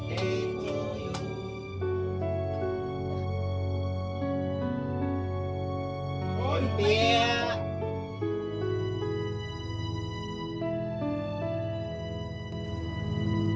คุณพี่